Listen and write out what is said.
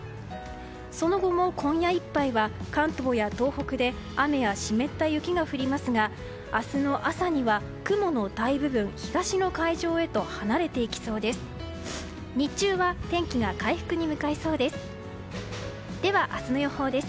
その後も今夜いっぱいは関東や東北で雨や湿った雪が降りますが明日の朝には雲の大部分は東の海上へと離れていきそうです。